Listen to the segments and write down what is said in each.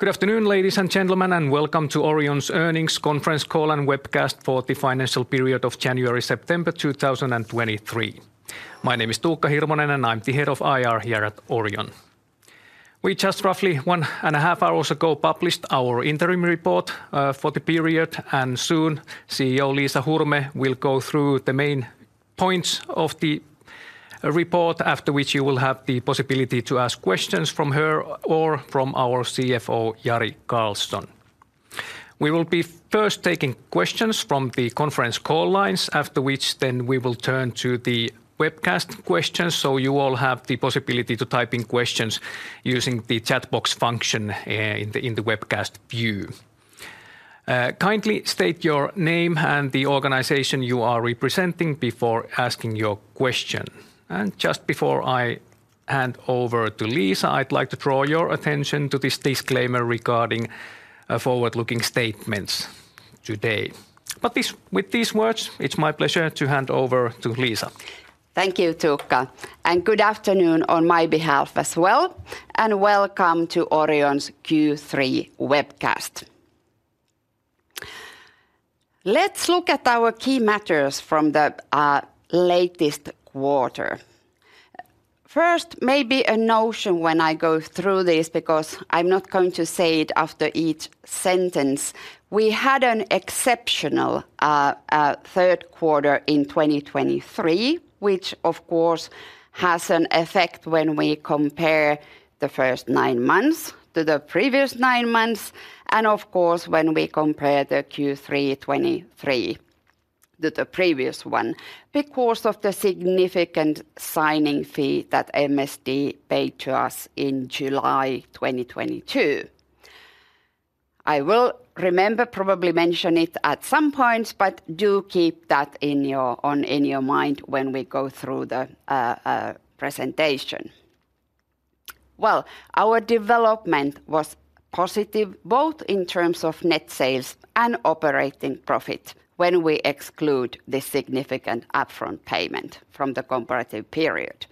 Good afternoon, ladies and gentlemen, and welcome to Orion's Earnings Conference Call and Webcast for the financial period of January-September 2023. My name is Tuukka Hirvonen, and I'm the Head of IR here at Orion. We just roughly one and a half hours ago published our interim report for the period, and soon CEO Liisa Hurme will go through the main points of the report, after which you will have the possibility to ask questions from her or from our CFO, Jari Karlson. We will be first taking questions from the conference call lines, after which then we will turn to the webcast questions. You all have the possibility to type in questions using the chat box function in the webcast view. Kindly state your name and the organization you are representing before asking your question. Just before I hand over to Liisa, I'd like to draw your attention to this disclaimer regarding forward-looking statements today. With these words, it's my pleasure to hand over to Liisa. Thank you, Tuukka, and good afternoon on my behalf as well, and welcome to Orion's Q3 webcast. Let's look at our key matters from the latest quarter. First, maybe a notion when I go through this, because I'm not going to say it after each sentence. We had an exceptional third quarter in 2023, which of course has an effect when we compare the first nine months to the previous nine months, and of course when we compare the Q3 2023 to the previous one, because of the significant signing fee that MSD paid to us in July 2022. I will remember, probably mention it at some point, but do keep that in your mind when we go through the presentation. Well, our development was positive, both in terms of net sales and operating profit when we exclude the significant upfront payment from the comparative period.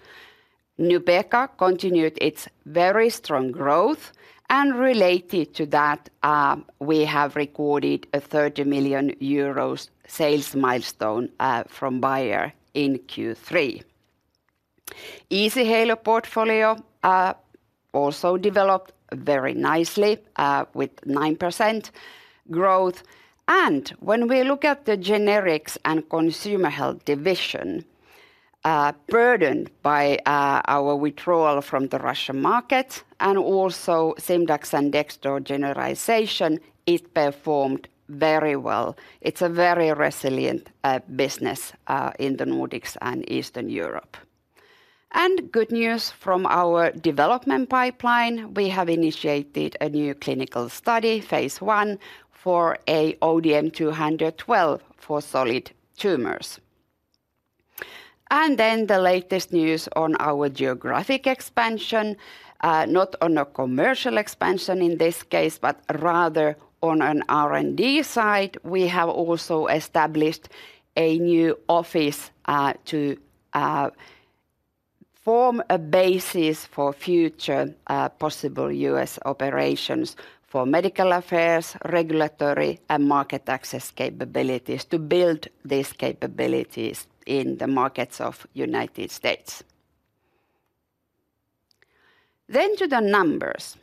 Nubeqa continued its very strong growth, and related to that, we have recorded a 30 million euros sales milestone from Bayer in Q3. Easyhaler portfolio also developed very nicely with 9% growth. When we look at the Generics and Consumer Health division, burdened by our withdrawal from the Russian market and also Simdax and dex genericization, it performed very well. It's a very resilient business in the Nordics and Eastern Europe. Good news from our development pipeline, we have initiated a new clinical study, phase I, for ODM-212 for solid tumors. Then the latest news on our geographic expansion, not on a commercial expansion in this case, but rather on an R&D side. We have also established a new office to form a basis for future possible U.S. operations for medical affairs, regulatory, and market access capabilities, to build these capabilities in the markets of the United States. To the numbers.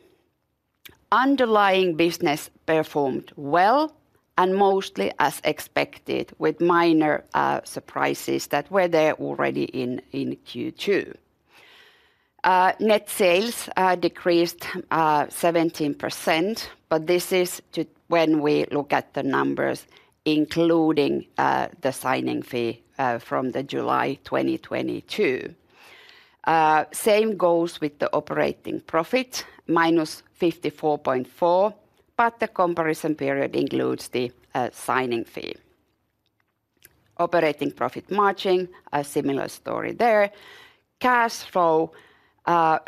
Underlying business performed well and mostly as expected, with minor surprises that were there already in Q2. Net sales decreased 17%, but this is when we look at the numbers, including the signing fee from July 2022. Same goes with the operating profit, -54.4, but the comparison period includes the signing fee. Operating profit margin, a similar story there. Cash flow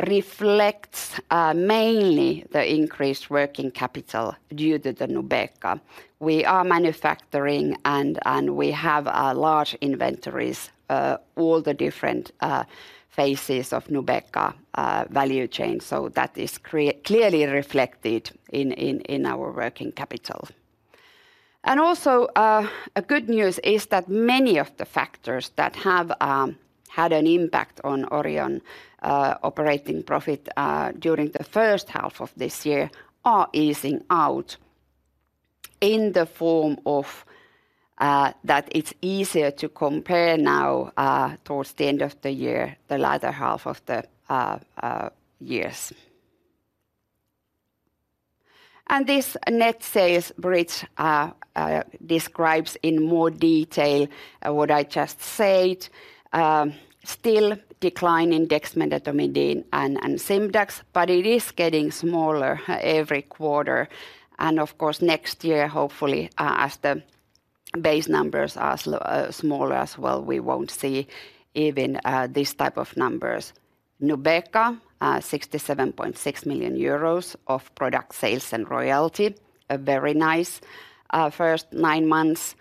reflects mainly the increased working capital due to the Nubeqa. We are manufacturing, and we have large inventories all the different phases of Nubeqa value chain, so that is clearly reflected in our working capital. Also, good news is that many of the factors that have had an impact on Orion operating profit during the first half of this year are easing out in the form of that it's easier to compare now towards the end of the year, the latter half of the years. This net sales bridge describes in more detail what I just said. Still decline in dexmedetomidine and Simdax, but it is getting smaller every quarter. Of course, next year, hopefully, as the base numbers are smaller as well, we won't see even these type of numbers. Nubeqa, 67.6 million euros of product sales and royalty, a very nice first nine months.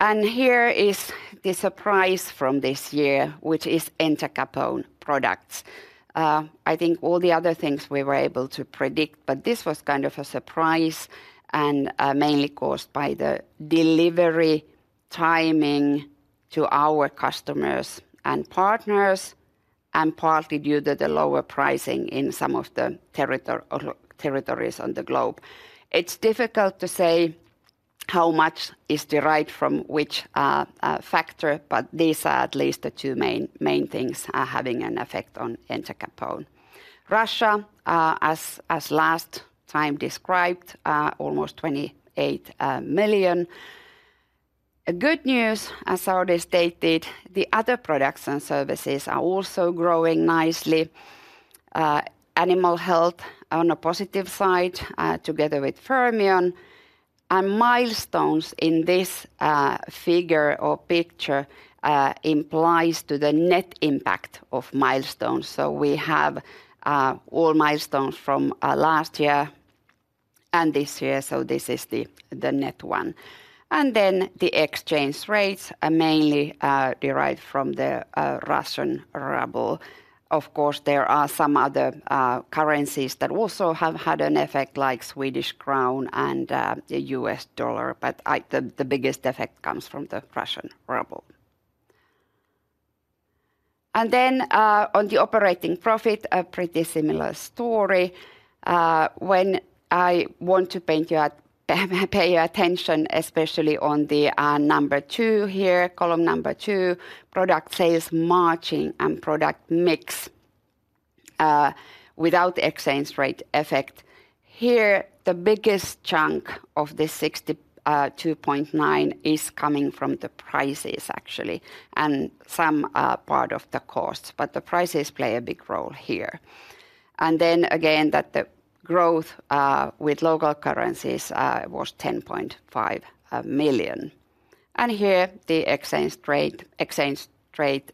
Here is the surprise from this year, which is entacapone products. I think all the other things we were able to predict, but this was kind of a surprise, and mainly caused by the delivery timing to our customers and partners, and partly due to the lower pricing in some of the territories on the globe. It's difficult to say how much is derived from which factor, but these are at least the two main things having an effect on entacapone. Russia, as last time described, almost 28 million EUR. Good news, as already stated, the other products and services are also growing nicely. Animal health on a positive side, together with Fermion. And milestones in this, figure or picture, implies to the net impact of milestones. So we have, all milestones from, last year and this year, so this is the, the net one. And then the exchange rates are mainly, derived from the, Russian ruble. Of course, there are some other, currencies that also have had an effect, like Swedish krona and, the US dollar, but the, the biggest effect comes from the Russian ruble. And then, on the operating profit, a pretty similar story. When I want to point you at - pay attention, especially on the number two here, column number two, product sales margin and product mix, without the exchange rate effect. Here, the biggest chunk of the 62.9% is coming from the prices actually, and some part of the cost, but the prices play a big role here. And then again, that the growth with local currencies was 10.5 million. And here, the exchange rate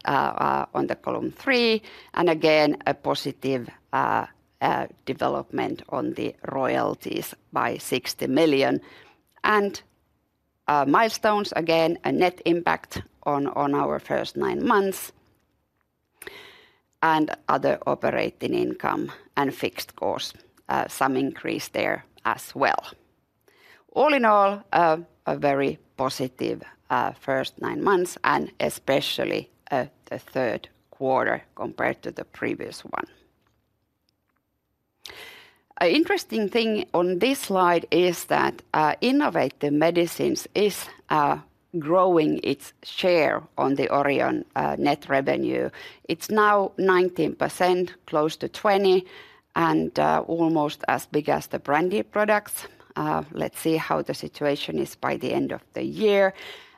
on the column three, and again, a positive development on the royalties by 60 million. And milestones, again, a net impact on our first nine months, and other operating income and fixed costs, some increase there as well. All in all, a very positive first nine months, and especially the third quarter compared to the previous one. An interesting thing on this slide is that Innovative Medicines is growing its share on the Orion net revenue. It's now 19%, close to 20, and almost as big as the Branded Products. Let's see how the situation is by the end of the year,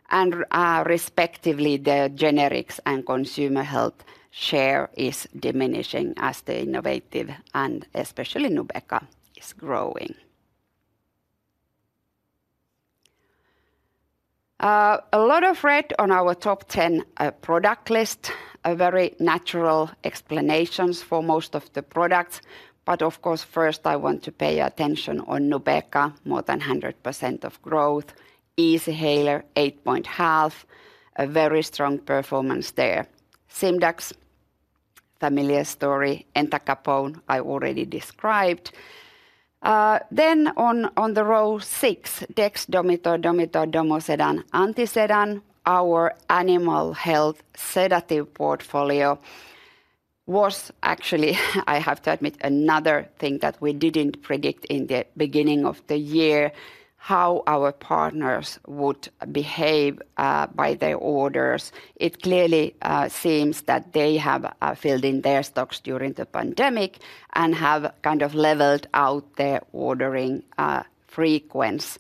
and respectively, the generics and consumer health share is diminishing as the innovative and especially Nubeqa is growing. A lot of red on our top 10 product list, a very natural explanations for most of the products, but of course, first, I want to pay attention on Nubeqa, more than 100% growth. Easyhaler, 8.5, a very strong performance there. Simdax, familiar story, Entacapone, I already described. Then on row six, Dexdomitor, Domitor, Domosedan, Antisedan, our animal health sedative portfolio was actually, I have to admit, another thing that we didn't predict in the beginning of the year, how our partners would behave by their orders. It clearly seems that they have filled in their stocks during the pandemic and have kind of leveled out their ordering frequency,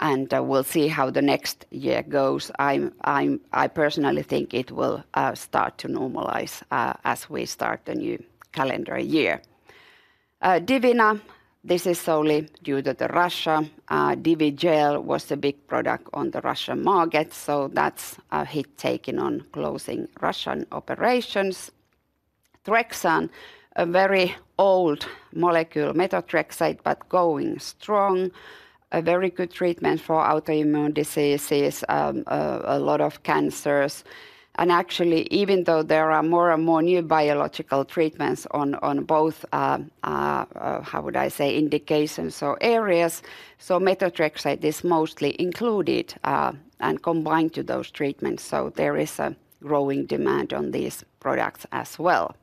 and we'll see how the next year goes. I personally think it will start to normalize as we start the new calendar year. Divina, this is solely due to Russia. Divigel was a big product on the Russian market, so that's a hit taken on closing Russian operations. Trexan, a very old molecule, methotrexate, but going strong, a very good treatment for autoimmune diseases, a lot of cancers. Actually, even though there are more and more new biological treatments on both, how would I say, indications or areas, so methotrexate is mostly included and combined to those treatments, so there is a growing demand on these products as well.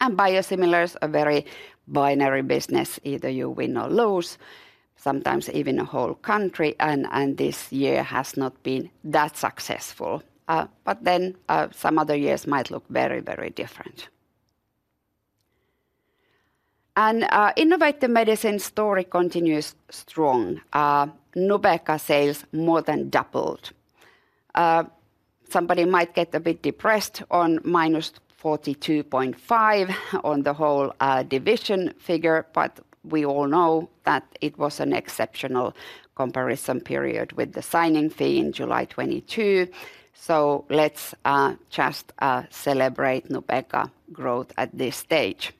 Biosimilars, a very binary business, either you win or lose, sometimes even a whole country, and this year has not been that successful. But then, some other years might look very, very different. Innovative medicine story continues strong. Nubeqa sales more than doubled. Somebody might get a bit depressed on -42.5 on the whole division figure, but we all know that it was an exceptional comparison period with the signing fee in July 2022. So let's just celebrate Nubeqa growth at this stage.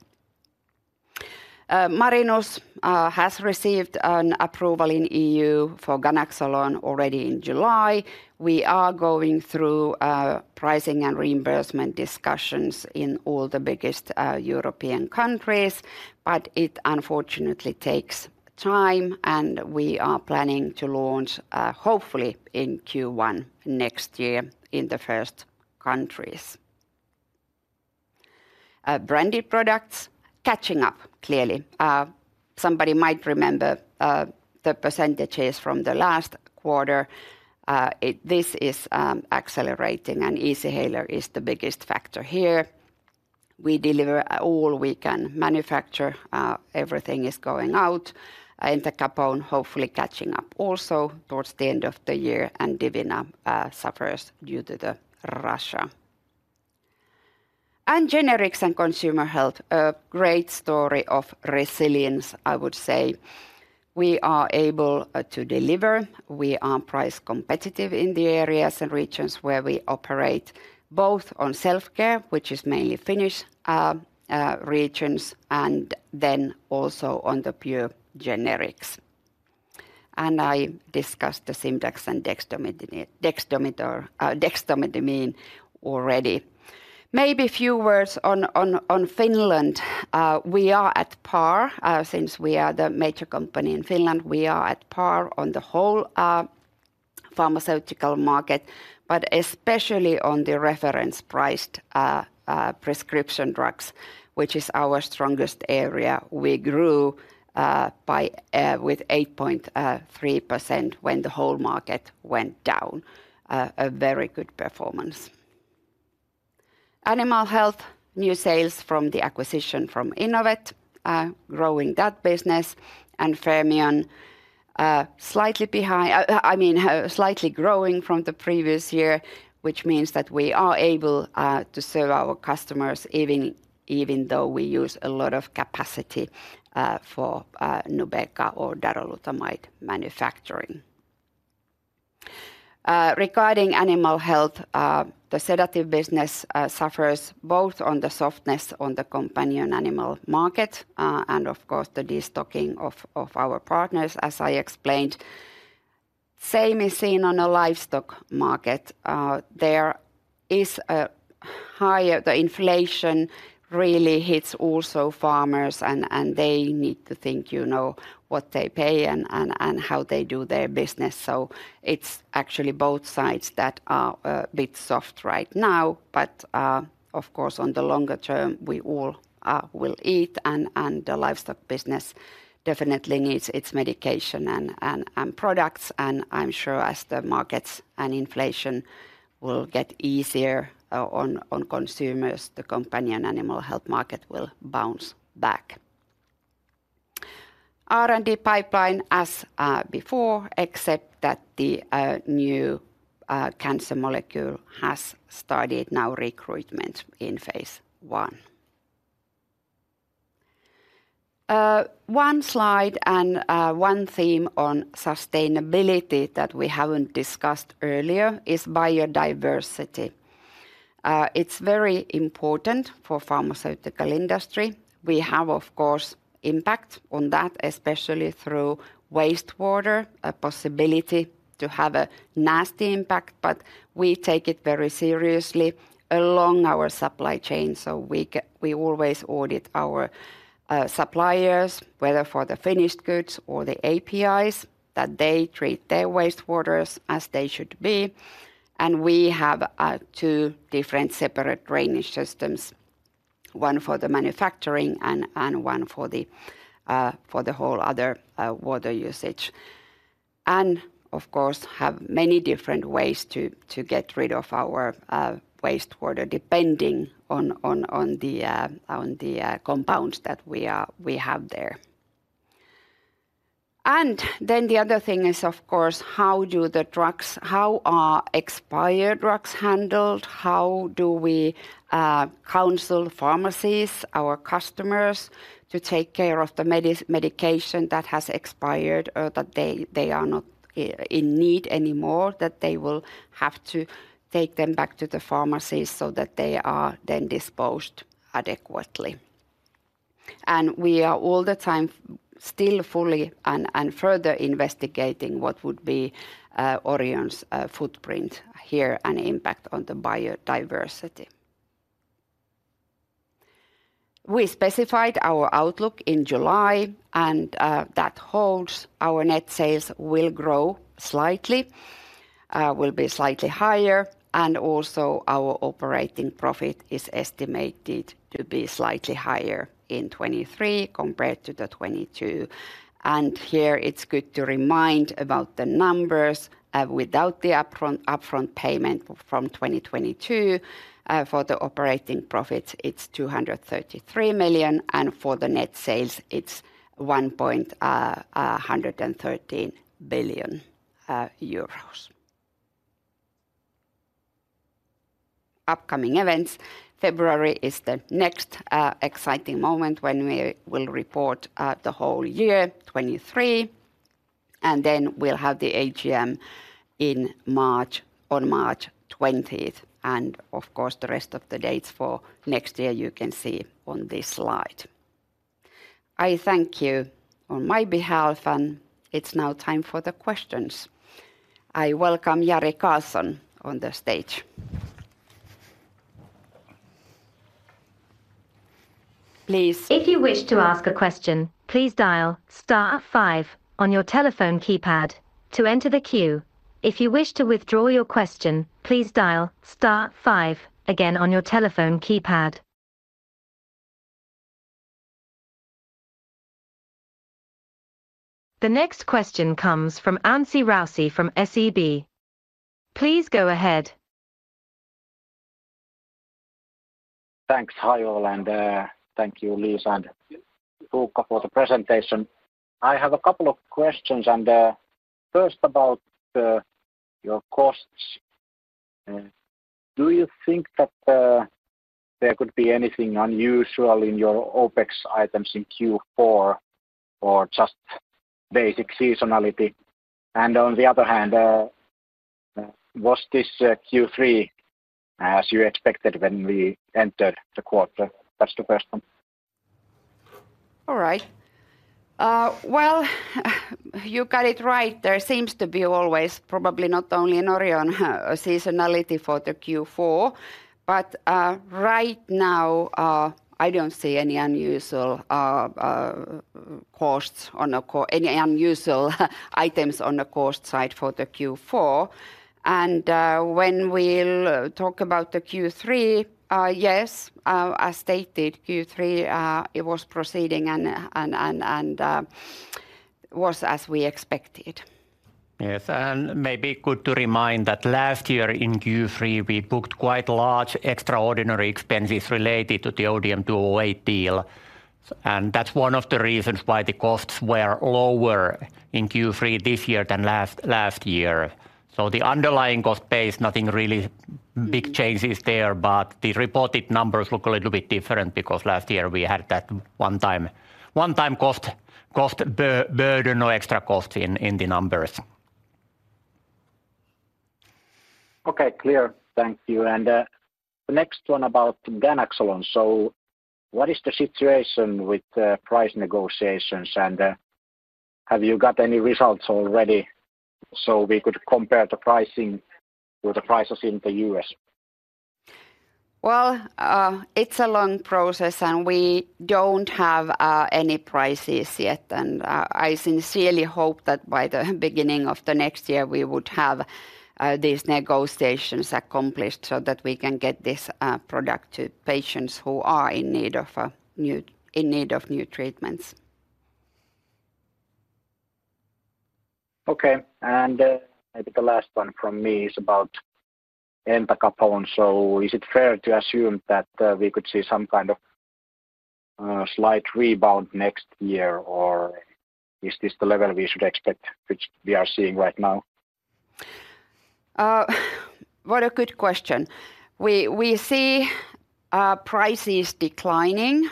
Marinus has received an approval in EU for ganaxolone already in July. We are going through pricing and reimbursement discussions in all the biggest European countries, but it unfortunately takes time, and we are planning to launch hopefully in Q1 next year in the first countries. Branded Products catching up clearly. Somebody might remember the percentages from the last quarter. This is accelerating, and Easyhaler is the biggest factor here. We deliver all we can manufacture. Everything is going out, and entacapone hopefully catching up also towards the end of the year, and Divina suffers due to Russia. Generics and Consumer Health, a great story of resilience, I would say. We are able to deliver. We are price competitive in the areas and regions where we operate, both on self-care, which is mainly Finnish regions, and then also on the pure generics. I discussed the Simdax and Dexdomitor, dexmedetomidine already. Maybe a few words on Finland. We are at par, since we are the major company in Finland. We are at par on the whole pharmaceutical market, but especially on the reference priced prescription drugs, which is our strongest area. We grew by 8.3% when the whole market went down. A very good performance. Animal Health, new sales from the acquisition from Inovet, growing that business, and Fermion, I mean, slightly growing from the previous year, which means that we are able to serve our customers, even though we use a lot of capacity for Nubeqa or darolutamide manufacturing. Regarding Animal Health, the sedative business suffers both on the softness on the companion animal market and of course, the destocking of our partners, as I explained. Same is seen on the livestock market. The inflation really hits also farmers and they need to think, you know, what they pay and how they do their business. So it's actually both sides that are a bit soft right now. But, of course, on the longer term, we all will eat and the livestock business definitely needs its medication and products. I'm sure as the markets and inflation will get easier on consumers, the companion animal health market will bounce back. R&D pipeline as before, except that the new cancer molecule has started now recruitment in phase one. One slide and one theme on sustainability that we haven't discussed earlier is biodiversity. It's very important for pharmaceutical industry. We have, of course, impact on that, especially through wastewater, a possibility to have a nasty impact, but we take it very seriously along our supply chain. So we always audit our suppliers, whether for the finished goods or the APIs, that they treat their wastewaters as they should be. We have two different separate drainage systems, one for the manufacturing and one for the whole other water usage. Of course, have many different ways to get rid of our wastewater, depending on the compounds that we are—we have there. Then the other thing is, of course, how do the drugs—how are expired drugs handled? How do we counsel pharmacies, our customers, to take care of the medication that has expired, or that they are not in need anymore, that they will have to take them back to the pharmacies so that they are then disposed adequately. We are all the time still fully and further investigating what would be Orion's footprint here and impact on the biodiversity. We specified our outlook in July, and that holds. Our net sales will grow slightly, will be slightly higher, and also our operating profit is estimated to be slightly higher in 2023 compared to 2022. Here it's good to remind about the numbers. Without the upfront, upfront payment from 2022, for the operating profits, it's 233 million, and for the net sales, it's 1.113 billion euros. Upcoming events, February is the next exciting moment when we will report the whole year 2023, and then we'll have the AGM in March, on March 20. And of course, the rest of the dates for next year you can see on this slide. I thank you on my behalf, and it's now time for the questions. I welcome Jari Karlson on the stage. Please. If you wish to ask a question, please dial star five on your telephone keypad to enter the queue. If you wish to withdraw your question, please dial star five again on your telephone keypad. The next question comes from Anssi Raussi from SEB. Please go ahead. Thanks. Hi, all, and thank you, Liisa and Tuukka, for the presentation. I have a couple of questions, and first, about your costs. Do you think that there could be anything unusual in your OpEx items in Q4 or just basic seasonality? And on the other hand, was this Q3 as you expected when we entered the quarter? That's the first one. All right. Well, you got it right. There seems to be always, probably not only in Orion, a seasonality for the Q4, but right now, I don't see any unusual any unusual items on the cost side for the Q4. And, when we'll talk about the Q3, yes, as stated, Q3, it was proceeding and was as we expected. Yes, and maybe good to remind that last year, in Q3, we booked quite large extraordinary expenses related to the ODM-208 deal, and that's one of the reasons why the costs were lower in Q3 this year than last year. So the underlying cost base, nothing really big changes there, but the reported numbers look a little bit different because last year we had that one time, one time cost burden or extra cost in the numbers. Okay, clear. Thank you. And, the next one about ganaxolone. So what is the situation with the price negotiations, and, have you got any results already so we could compare the pricing with the prices in the U.S.? Well, it's a long process, and we don't have any prices yet. I sincerely hope that by the beginning of the next year, we would have these negotiations accomplished so that we can get this product to patients who are in need of new... in need of new treatments. Okay, and, maybe the last one from me is about entacapone. So is it fair to assume that we could see some kind of slight rebound next year, or is this the level we should expect, which we are seeing right now? What a good question. We see prices declining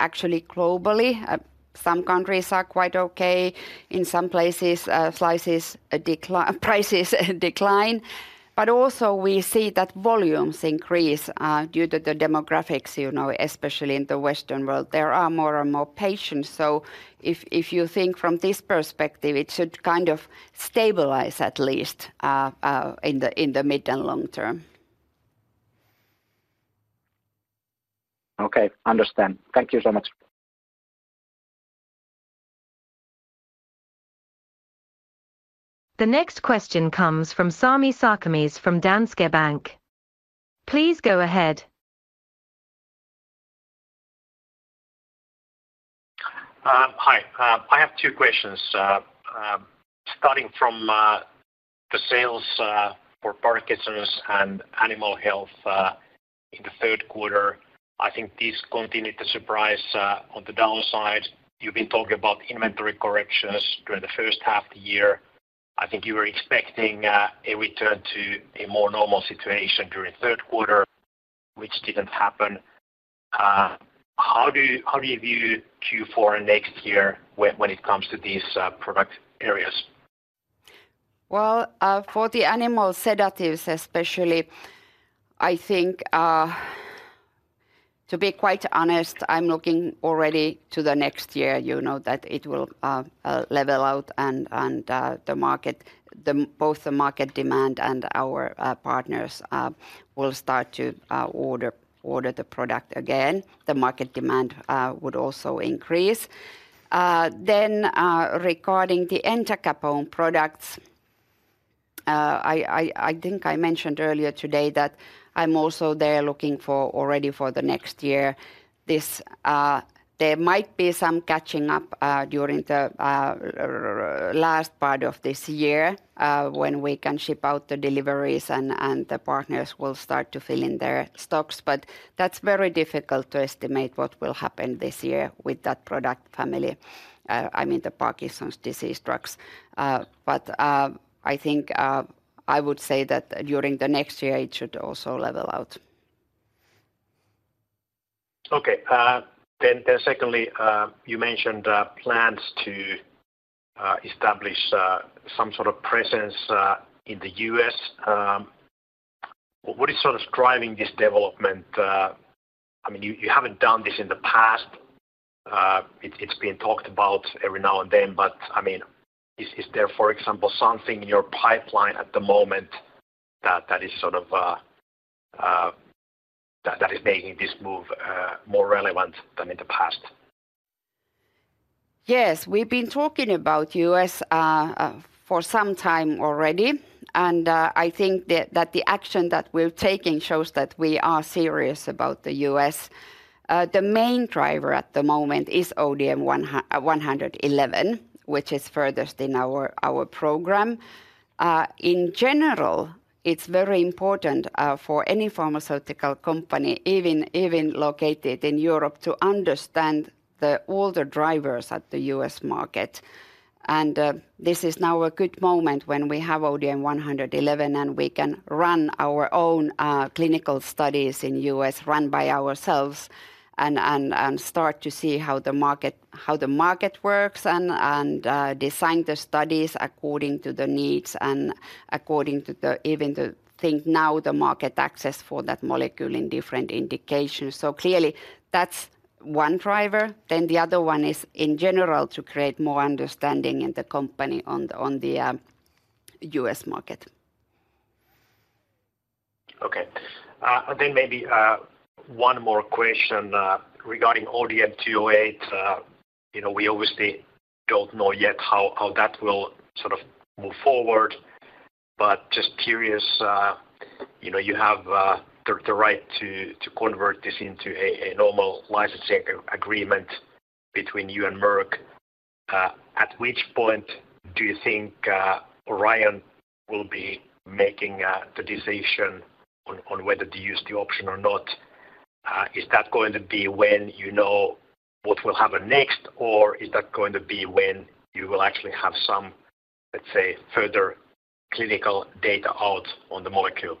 actually globally. Some countries are quite okay. In some places, prices decline. But also, we see that volumes increase due to the demographics. You know, especially in the Western world, there are more and more patients. So if you think from this perspective, it should kind of stabilize at least in the mid and long term. Okay, understand. Thank you so much. The next question comes from Sami Sarkamies from Danske Bank. Please go ahead. Hi. I have two questions. Starting from the sales for Parkinson's and animal health in the third quarter, I think these continued to surprise on the downside. You've been talking about inventory corrections during the first half of the year. I think you were expecting a return to a more normal situation during the third quarter, which didn't happen. How do you, how do you view Q4 next year when it comes to these product areas? Well, for the animal sedatives especially, I think, to be quite honest, I'm looking already to the next year. You know, that it will level out, and the market, both the market demand and our partners will start to order the product again. The market demand would also increase. Then, regarding the entacapone products, I think I mentioned earlier today that I'm also there looking for already for the next year. This, there might be some catching up during the last part of this year, when we can ship out the deliveries, and the partners will start to fill in their stocks. But that's very difficult to estimate what will happen this year with that product family, I mean, the Parkinson's disease drugs. But, I think, I would say that during the next year, it should also level out.... Okay, then secondly, you mentioned plans to establish some sort of presence in the US. What is sort of driving this development? I mean, you haven't done this in the past. It's been talked about every now and then, but I mean, is there, for example, something in your pipeline at the moment that is sort of that is making this move more relevant than in the past? Yes. We've been talking about U.S. for some time already, and I think that the action that we're taking shows that we are serious about the U.S. The main driver at the moment is ODM-111, which is furthest in our program. In general, it's very important for any pharmaceutical company, even located in Europe, to understand all the drivers at the U.S. market. And this is now a good moment when we have ODM-111, and we can run our own clinical studies in U.S., run by ourselves, and start to see how the market works and design the studies according to the needs and according to the—even the think now, the market access for that molecule in different indications. Clearly, that's one driver. The other one is, in general, to create more understanding in the company on the U.S. market. Okay. Then maybe one more question regarding ODM-208. You know, we obviously don't know yet how that will sort of move forward, but just curious, you know, you have the right to convert this into a normal license agreement between you and Merck. At which point do you think Orion will be making the decision on whether to use the option or not? Is that going to be when you know what will happen next, or is that going to be when you will actually have some, let's say, further clinical data out on the molecule?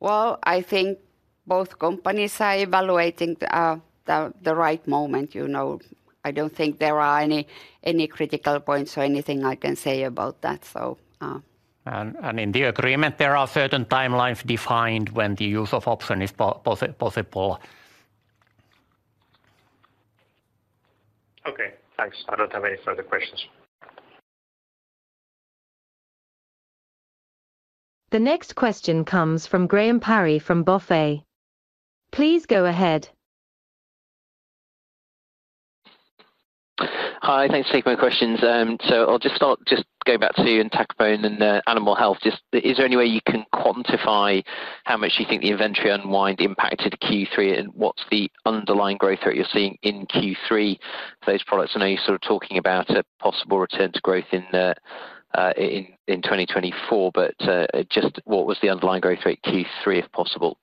Well, I think both companies are evaluating the right moment, you know. I don't think there are any critical points or anything I can say about that, so- In the agreement, there are certain timelines defined when the use of option is possible. Okay, thanks. I don't have any further questions. The next question comes from Graham Parry from BofA. Please go ahead. Hi, thanks for taking my questions. So I'll just start just going back to entacapone and Animal Health. Just is there any way you can quantify how much you think the inventory unwind impacted Q3, and what's the underlying growth rate you're seeing in Q3 for those products? I know you're sort of talking about a possible return to growth in 2024, but just what was the underlying growth rate Q3, if possible?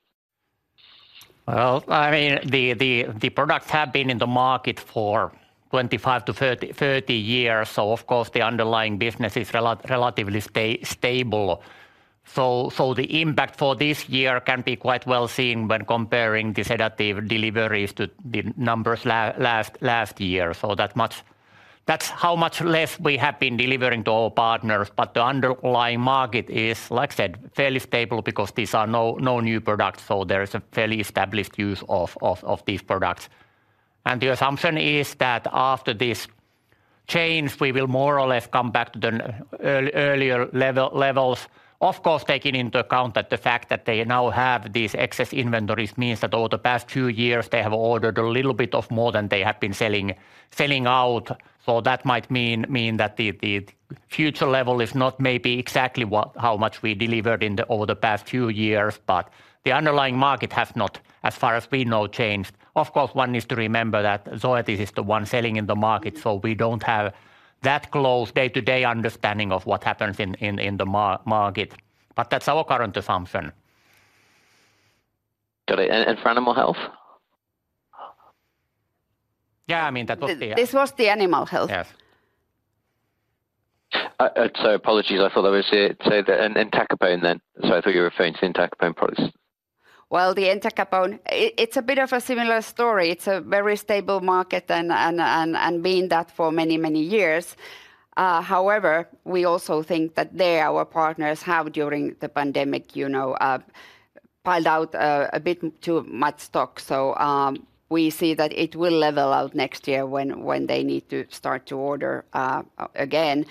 Well, I mean, the products have been in the market for 25-30 years, so of course, the underlying business is relatively stable. So the impact for this year can be quite well seen when comparing the sedative deliveries to the numbers last year. So that much... That's how much less we have been delivering to our partners, but the underlying market is, like I said, fairly stable because these are no new products, so there is a fairly established use of these products. And the assumption is that after this change, we will more or less come back to the earlier levels. Of course, taking into account that the fact that they now have these excess inventories means that over the past few years they have ordered a little bit more than they have been selling out. So that might mean that the future level is not maybe exactly how much we delivered in over the past few years, but the underlying market has not, as far as we know, changed. Of course, one is to remember that Zoetis is the one selling in the market, so we don't have that close day-to-day understanding of what happens in the market, but that's our current assumption. Sorry, and for Animal Health? Yeah, I mean, that was the, This was the Animal Health. Yes. So, apologies, I thought I was here say that entacapone then. So, I thought you were referring to entacapone products. Well, the entacapone, it, it's a bit of a similar story. It's a very stable market and been that for many, many years. However, we also think that they, our partners, have, during the pandemic, you know, piled out a bit too much stock. So, we see that it will level out next year when they need to start to order again.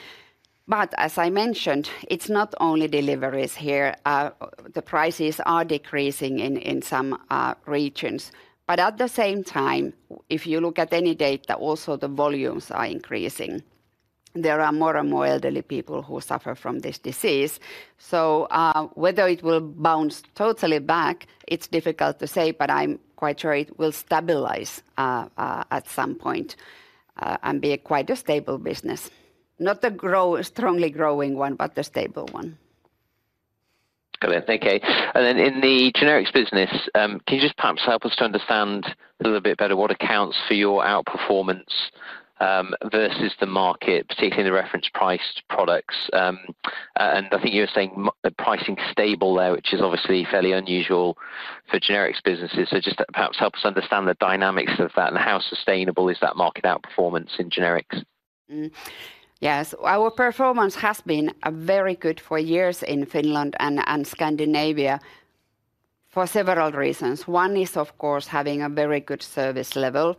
But as I mentioned, it's not only deliveries here, the prices are decreasing in some regions. But at the same time, if you look at any data, also the volumes are increasing. There are more and more elderly people who suffer from this disease, so, whether it will bounce totally back, it's difficult to say, but I'm quite sure it will stabilize at some point and be quite a stable business. Not a strongly growing one, but a stable one. Okay. Thank you. Then in the generics business, can you just perhaps help us to understand a little bit better what accounts for your outperformance versus the market, particularly the reference-priced products? And I think you were saying the pricing stable there, which is obviously fairly unusual for generics businesses. So just perhaps help us understand the dynamics of that and how sustainable is that market outperformance in generics? Yes. Our performance has been very good for years in Finland and Scandinavia for several reasons. One is, of course, having a very good service level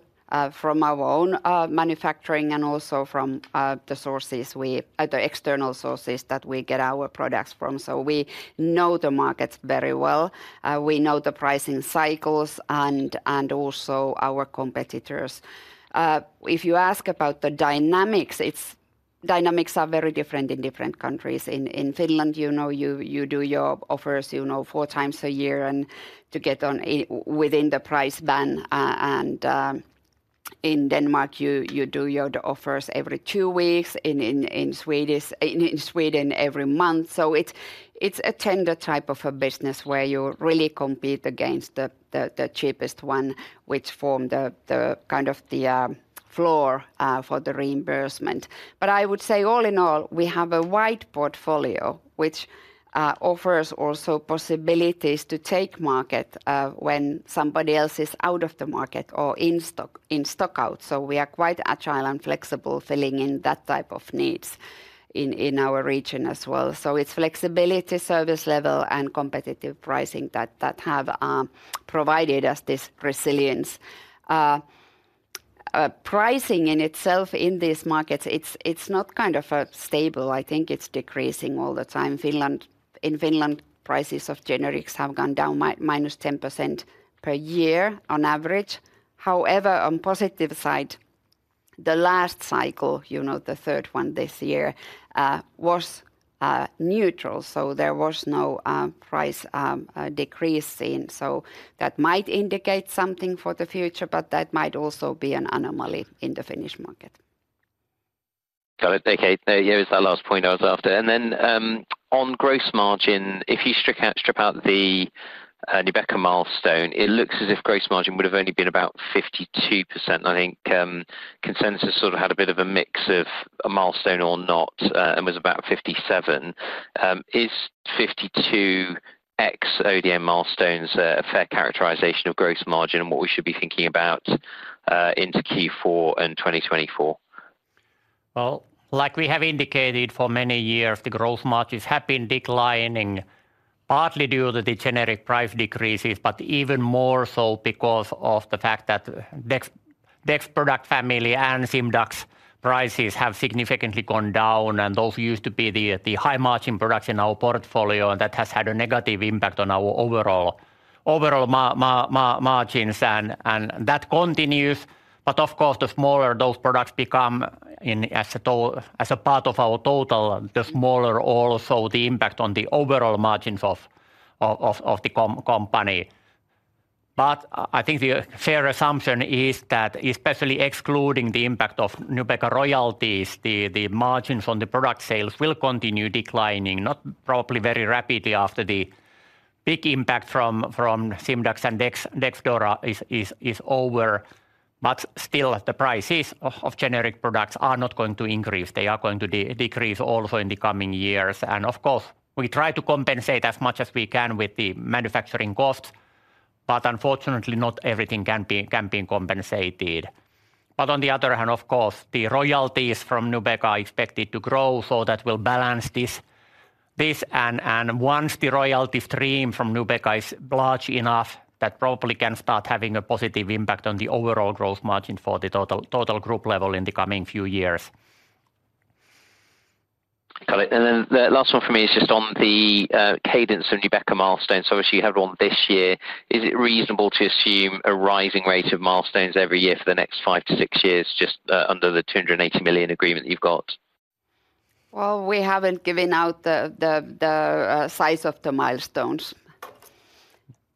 from our own manufacturing and also from the external sources that we get our products from. So we know the markets very well. We know the pricing cycles and also our competitors. If you ask about the dynamics, the dynamics are very different in different countries. In Finland, you know, you do your offers, you know, four times a year and to get on a within the price band. And in Denmark, you do your offers every two weeks, in Sweden, every month. So it's a tender type of a business where you really compete against the cheapest one, which form the kind of floor for the reimbursement. But I would say, all in all, we have a wide portfolio, which offers also possibilities to take market when somebody else is out of the market or in stock out. So we are quite agile and flexible, filling in that type of needs in our region as well. So it's flexibility, service level, and competitive pricing that have provided us this resilience. Pricing in itself in these markets, it's not kind of stable. I think it's decreasing all the time. In Finland, prices of generics have gone down minus 10% per year on average. However, on positive side, the last cycle, you know, the third one this year, was neutral, so there was no price decrease seen. So that might indicate something for the future, but that might also be an anomaly in the Finnish market. Got it. Okay. Here is that last point I was after. And then, on gross margin, if you strip out, strip out the, Nubeqa milestone, it looks as if gross margin would have only been about 52%. I think, consensus sort of had a bit of a mix of a milestone or not, and was about 57%. Is 52% ex ODM milestones a fair characterization of gross margin and what we should be thinking about, into Q4 and 2024? Well, like we have indicated for many years, the growth margins have been declining, partly due to the generic price decreases, but even more so because of the fact that Dexdomitor product family and Simdax prices have significantly gone down, and those used to be the high margin products in our portfolio, and that has had a negative impact on our overall margins, and that continues. But of course, the smaller those products become as a part of our total, the smaller also the impact on the overall margins of the company. But I think the fair assumption is that especially excluding the impact of Nubeqa royalties, the margins on the product sales will continue declining, not probably very rapidly after the big impact from Simdax and Dexdomitor is over. But still, the prices of generic products are not going to increase. They are going to decrease also in the coming years. And of course, we try to compensate as much as we can with the manufacturing costs, but unfortunately, not everything can be compensated. But on the other hand, of course, the royalties from Nubeqa are expected to grow, so that will balance this and once the royalty stream from Nubeqa is large enough, that probably can start having a positive impact on the overall gross margin for the total group level in the coming few years. Got it. And then the last one for me is just on the cadence of Nubeqa milestones. So obviously, you had one this year. Is it reasonable to assume a rising rate of milestones every year for the next five to six years, just under the 280 million agreement you've got? Well, we haven't given out the size of the milestones.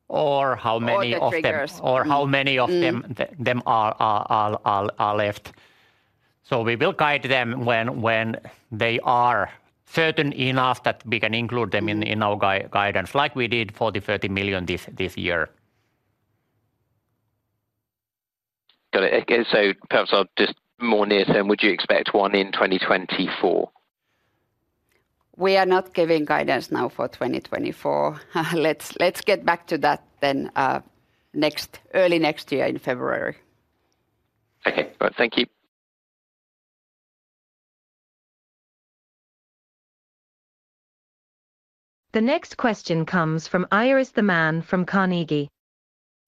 Or how many of them- Or the triggers. How many of them- Mm... of them are left. So we will guide them when they are certain enough that we can include them in our guidance, like we did for the 30 million this year. Got it. Okay, so perhaps just more near term, would you expect one in 2024? We are not giving guidance now for 2024. Let's get back to that then, early next year in February. Okay, all right. Thank you. The next question comes from Iris Theman from Carnegie.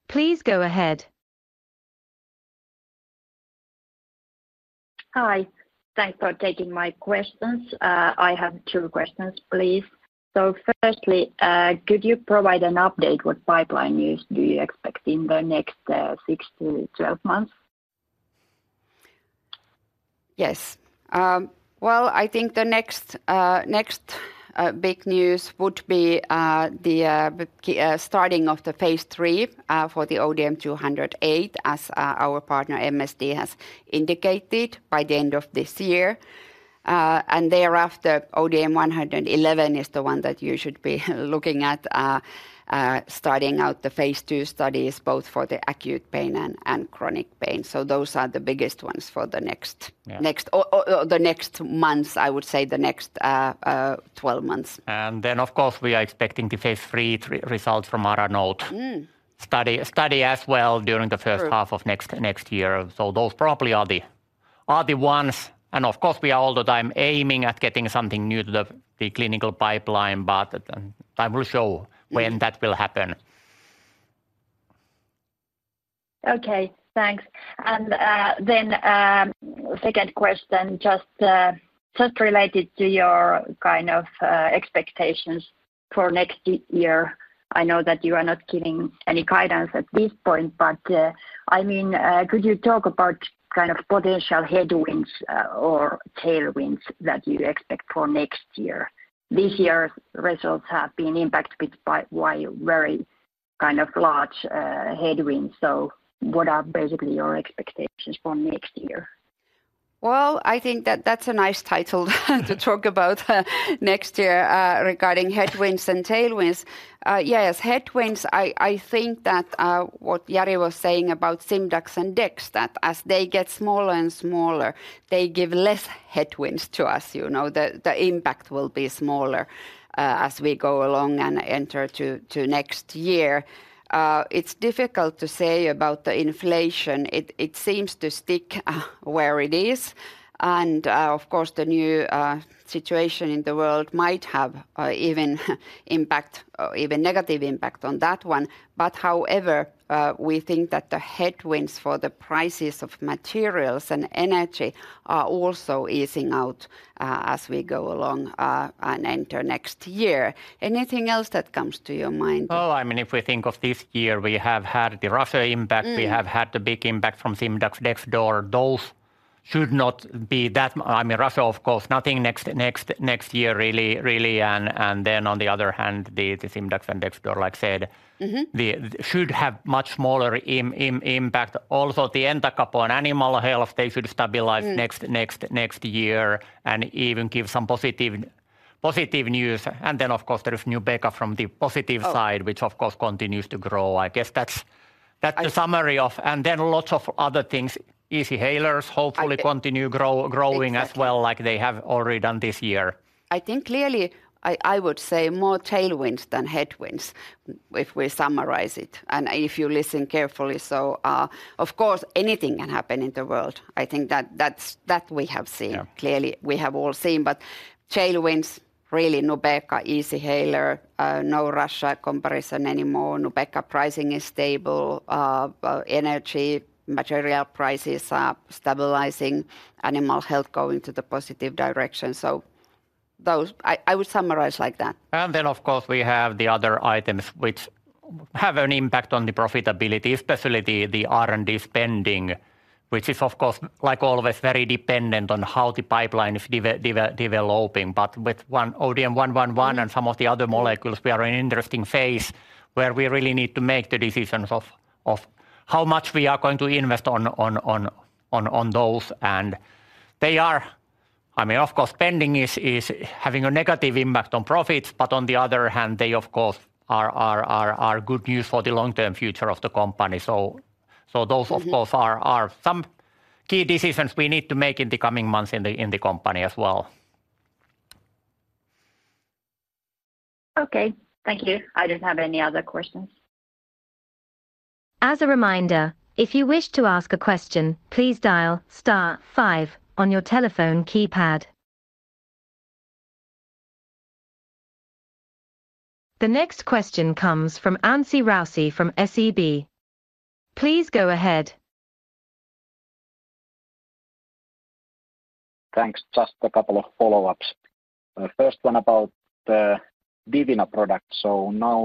Please go ahead. Hi. Thanks for taking my questions. I have two questions, please. So firstly, could you provide an update what pipeline news do you expect in the next 6-12 months? Yes. Well, I think the next big news would be the starting of the phase three for the ODM-208, as our partner MSD has indicated by the end of this year. And thereafter, ODM-111 is the one that you should be looking at, starting out the phase two studies, both for the acute pain and chronic pain. So those are the biggest ones for the next- Yeah. the next months, I would say the next 12 months. And then, of course, we are expecting the phase three results from ARANOTE study as well during the first True... half of next, next year. So those probably are the, are the ones, and of course, we are all the time aiming at getting something new to the, the clinical pipeline, but, time will show- Mm when that will happen. Okay, thanks. Then, second question, just related to your kind of expectations for next year. I know that you are not giving any guidance at this point, but, I mean, could you talk about kind of potential headwinds or tailwinds that you expect for next year? This year's results have been impacted bit by very kind of large headwinds, so what are basically your expectations for next year? Well, I think that that's a nice title to talk about, next year, regarding headwinds and tailwinds. Yes, headwinds, I think that, what Jari was saying about Simdax and Dex, that as they get smaller and smaller, they give less headwinds to us, you know? The, the impact will be smaller, as we go along and enter to, to next year. It's difficult to say about the inflation. It seems to stick, where it is, and, of course, the new situation in the world might have, even impact, even negative impact on that one. But however, we think that the headwinds for the prices of materials and energy are also easing out, as we go along, and enter next year. Anything else that comes to your mind? Well, I mean, if we think of this year, we have had the Russia impact. Mm. We have had the big impact from Simdax, Dexdor. Those should not be that... I mean, Russia, of course, nothing next year really, and then on the other hand, the Simdax and Dexdor, like I said- Mm-hmm... they should have much smaller impact. Also, the entacapone animal health, they should stabilize- Mm... next year and even give some positive news. And then, of course, there is Nubeqa from the positive side- Oh... which of course continues to grow. I guess that's. I- And then lots of other things, Easyhalers hopefully- I th-... continue grow, growing as well- Exactly... like they have already done this year. I think clearly I would say more tailwinds than headwinds, if we summarize it, and if you listen carefully. So, of course, anything can happen in the world. I think that that's that we have seen. Yeah. Clearly, we have all seen. But tailwinds, really Nubeqa, Easyhaler, no Russia comparison anymore. Nubeqa pricing is stable. Energy, material prices are stabilizing, animal health going to the positive direction. So those, I would summarize like that. And then, of course, we have the other items which have an impact on the profitability, especially the R&D spending, which is, of course, like always, very dependent on how the pipeline is developing. But with ODM-111 and some of the other molecules, we are in interesting phase where we really need to make the decisions of how much we are going to invest on those. And they are... I mean, of course, spending is having a negative impact on profits, but on the other hand, they, of course, are good news for the long-term future of the company. So those- Mm-hmm... of course, are some key decisions we need to make in the coming months in the company as well. Okay, thank you. I didn't have any other questions. As a reminder, if you wish to ask a question, please dial star five on your telephone keypad. The next question comes from Anssi Raussi from SEB. Please go ahead. Thanks. Just a couple of follow-ups. First one about the Divina product. So now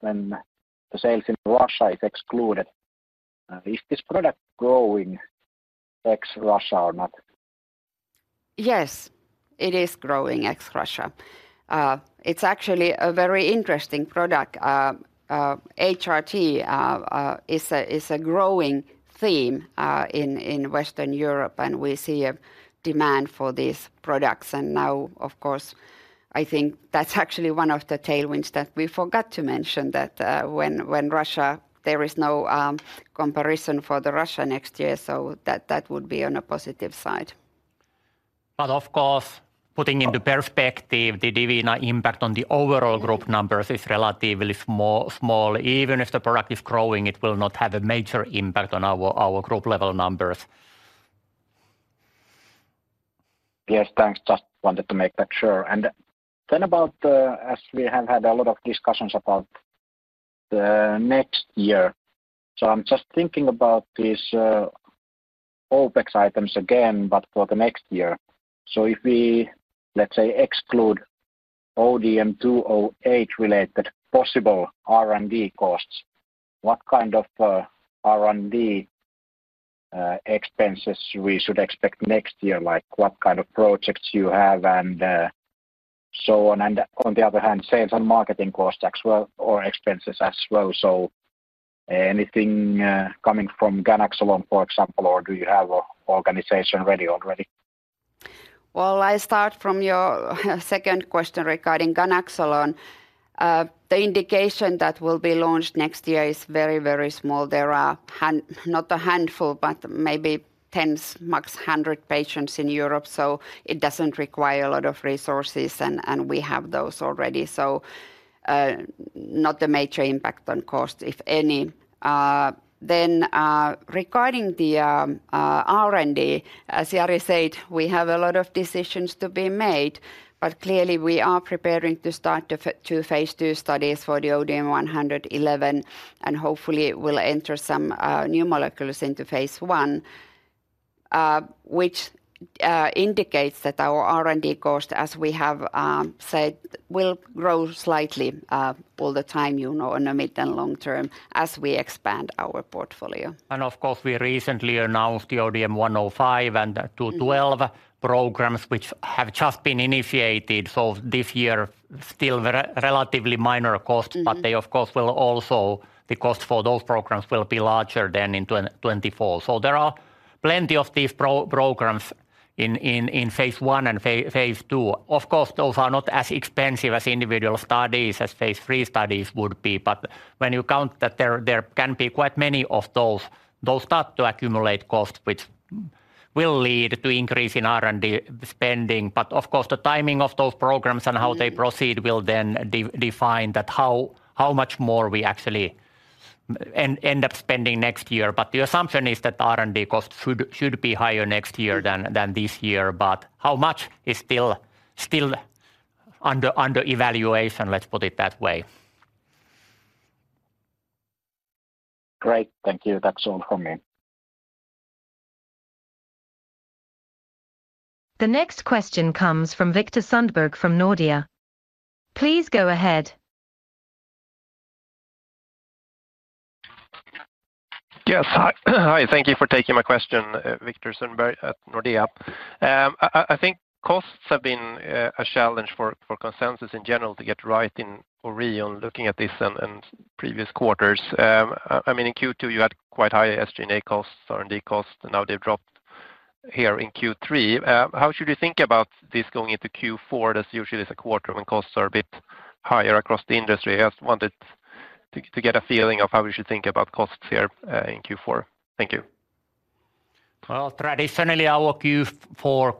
when the sales in Russia is excluded, is this product growing ex-Russia or not? Yes, it is growing ex-Russia. It's actually a very interesting product. HRT is a growing theme in Western Europe, and we see a demand for these products. And now, of course, I think that's actually one of the tailwinds that we forgot to mention that, when Russia, there is no comparison for the Russia next year, so that would be on a positive side. But of course, putting into perspective the Divina impact on the overall group numbers is relatively small, small. Even if the product is growing, it will not have a major impact on our, our group level numbers. Yes, thanks. Just wanted to make that sure. And then about the, as we have had a lot of discussions about the next year, so I'm just thinking about these OpEx items again, but for the next year. So if we, let's say, exclude ODM-208 related possible R&D costs, what kind of R&D expenses we should expect next year? Like, what kind of projects you have and so on, and on the other hand, sales and marketing costs as well, or expenses as well. So anything coming from Ganaxolone, for example, or do you have a organization ready already? Well, I start from your second question regarding ganaxolone. The indication that will be launched next year is very, very small. There are not a handful, but maybe tens, max 100 patients in Europe, so it doesn't require a lot of resources, and we have those already. So, not a major impact on cost, if any. Then, regarding the R&D, as Jari said, we have a lot of decisions to be made, but clearly we are preparing to start the 2 phase II studies for the ODM-111, and hopefully we'll enter some new molecules into phase I, which indicates that our R&D cost, as we have said, will grow slightly all the time, you know, on a mid and long term, as we expand our portfolio. Of course, we recently announced the ODM-105 and the 212- Mm-hmm... programs, which have just been initiated. So this year, still relatively minor costs- Mm... but they of course will also, the cost for those programs will be larger than in 2024. So there are plenty of these programs in phase I and phase II. Of course, those are not as expensive as individual studies, as phase III studies would be, but when you count that there can be quite many of those, those start to accumulate costs, which will lead to increase in R&D spending. But of course, the timing of those programs and how they proceed- Mm... will then define that how much more we actually end up spending next year. But the assumption is that the R&D costs should be higher next year than- Mm... than this year, but how much is still under evaluation, let's put it that way. Great. Thank you. That's all from me. The next question comes from Viktor Sundberg from Nordea. Please go ahead. Yes. Hi. Hi, thank you for taking my question. Viktor Sundberg at Nordea. I think costs have been a challenge for consensus in general to get right in Orion, looking at this and previous quarters. I mean, in Q2, you had quite high SG&A costs, R&D costs, and now they've dropped here in Q3. How should we think about this going into Q4? That's usually is a quarter when costs are a bit higher across the industry. I just wanted to get a feeling of how we should think about costs here in Q4. Thank you. Well, traditionally, our Q4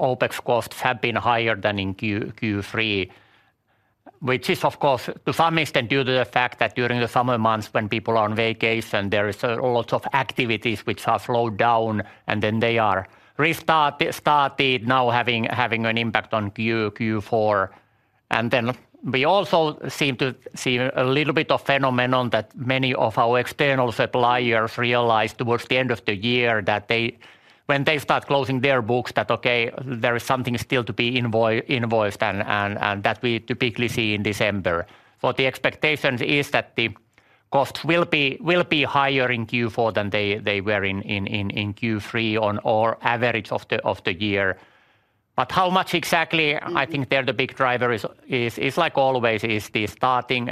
OpEx costs have been higher than in Q3, which is, of course, to some extent due to the fact that during the summer months when people are on vacation, there is a lot of activities which are slowed down, and then they are restarted now having an impact on Q4. And then we also seem to see a little bit of phenomenon that many of our external suppliers realize towards the end of the year that they, when they start closing their books, that, okay, there is something still to be invoiced, and that we typically see in December. But the expectations is that the costs will be higher in Q4 than they were in Q3 or average of the year. But how much exactly? Mm. I think they're the big driver is like always, the starting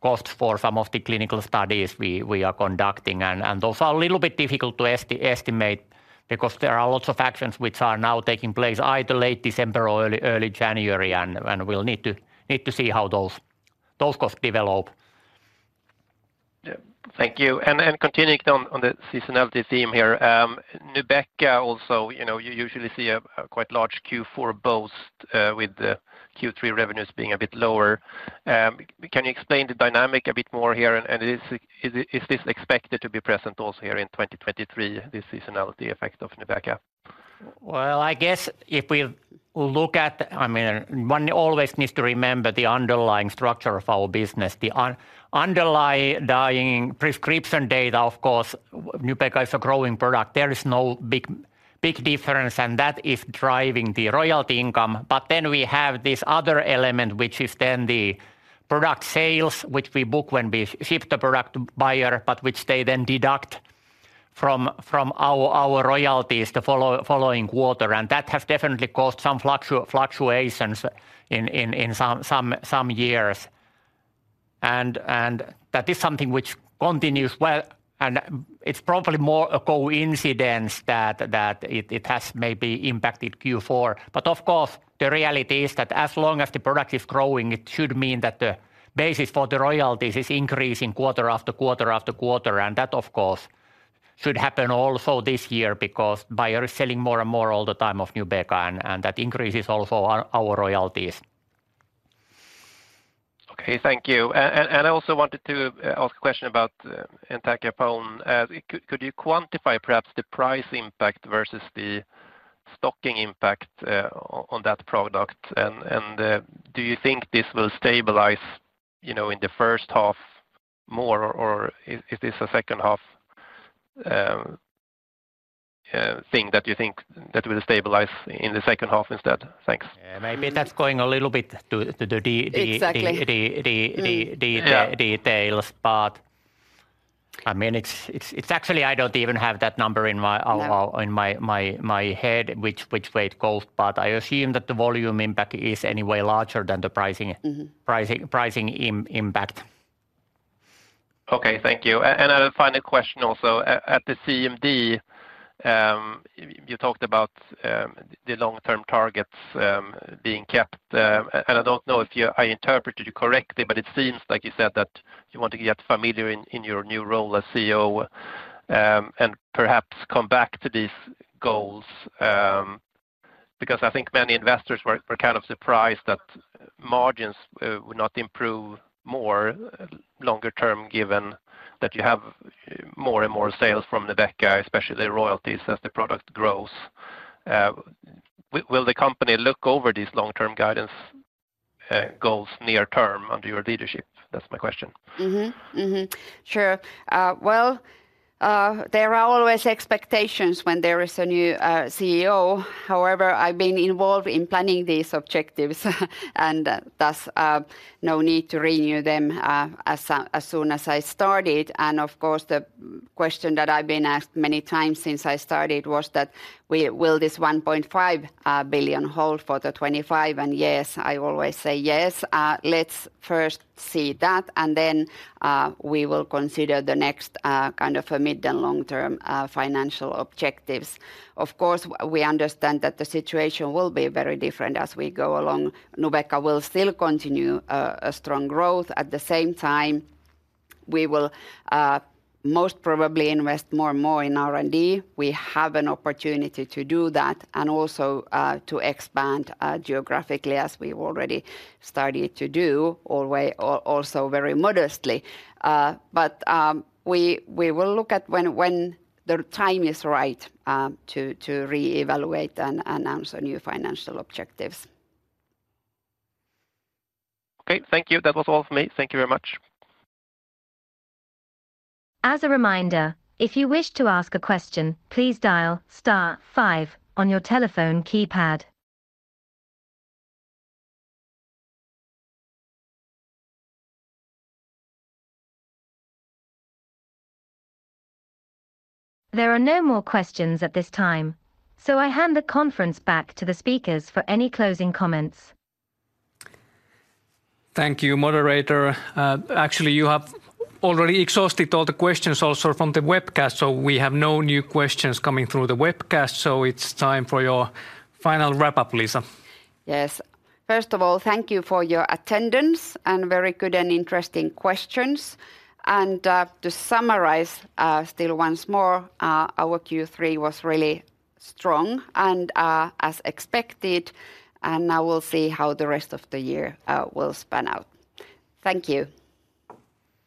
cost for some of the clinical studies we are conducting. And those are a little bit difficult to estimate because there are lots of actions which are now taking place, either late December or early January, and we'll need to see how those costs develop. Yeah. Thank you, and continuing on the seasonality theme here, Nubeqa also, you know, you usually see a quite large Q4 boost with the Q3 revenues being a bit lower. Can you explain the dynamic a bit more here, and is this expected to be present also here in 2023, this seasonality effect of Nubeqa? Well, I guess if we look at... I mean, one always needs to remember the underlying structure of our business. The underlying prescription data, of course, Nubeqa is a growing product. There is no big difference, and that is driving the royalty income. But then we have this other element, which is then the product sales, which we book when we ship the product Bayer, but which they then deduct from our royalties the following quarter, and that has definitely caused some fluctuations in some years. And that is something which continues well, and it's probably more a coincidence that it has maybe impacted Q4. But of course, the reality is that as long as the product is growing, it should mean that the basis for the royalties is increasing quarter after quarter after quarter, and that, of course, should happen also this year because Bayer is selling more and more all the time of Nubeqa, and, and that increases also our, our royalties. Okay, thank you. I also wanted to ask a question about entacapone. Could you quantify perhaps the price impact versus the stocking impact on that product? And, do you think this will stabilize, you know, in the first half more, or is this a second half thing that you think that will stabilize in the second half instead? Thanks. Yeah, maybe that's going a little bit to the de- Exactly... Yeah... details. I mean, it's actually I don't even have that number in my- No... in my head, which way it goes, but I assume that the volume impact is anyway larger than the pricing- Mm-hmm pricing, pricing impact. Okay, thank you. And a final question also. At the CMD, you talked about the long-term targets being kept. And I don't know if you-- I interpreted you correctly, but it seems like you said that you want to get familiar in your new role as CEO, and perhaps come back to these goals. Because I think many investors were kind of surprised that margins would not improve more longer term, given that you have more and more sales from Nubeqa, especially the royalties as the product grows. Will the company look over these long-term guidance goals near term under your leadership? That's my question. Mm-hmm. Mm-hmm. Sure. Well, there are always expectations when there is a new CEO. However, I've been involved in planning these objectives, and thus, no need to renew them, as soon as I started. Of course, the question that I've been asked many times since I started was that, will this 1.5 billion hold for 2025? And yes, I always say yes. Let's first see that, and then, we will consider the next, kind of a mid and long-term financial objectives. Of course, we understand that the situation will be very different as we go along. Nubeqa will still continue a strong growth. At the same time, we will most probably invest more and more in R&D. We have an opportunity to do that and also to expand geographically, as we've already started to do, always. Also very modestly. But we will look at when the time is right to reevaluate and announce the new financial objectives. Okay. Thank you. That was all for me. Thank you very much. As a reminder, if you wish to ask a question, please dial star five on your telephone keypad. There are no more questions at this time, so I hand the conference back to the speakers for any closing comments. Thank you, moderator. Actually, you have already exhausted all the questions also from the webcast, so we have no new questions coming through the webcast. It's time for your final wrap-up, Liisa. Yes. First of all, thank you for your attendance and very good and interesting questions. To summarize, still once more, our Q3 was really strong and, as expected, and now we'll see how the rest of the year will span out. Thank you.